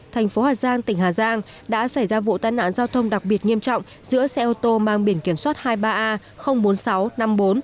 thành phố hà giang tỉnh hà giang đã xảy ra vụ tai nạn giao thông đặc biệt nghiêm trọng giữa xe ô tô mang biển kiểm soát hai mươi ba a bốn nghìn sáu trăm năm mươi bốn